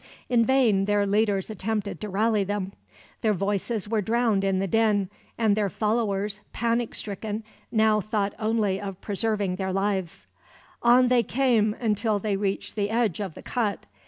In vain their leaders attempted to rally them. Their voices were drowned in the din, and their followers, panic stricken, now thought only of preserving their lives. On they came, until they reached the edge of the cut.